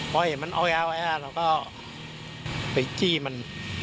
พอเห็นมันเอาแอวไว้เราก็ไปจี้มัน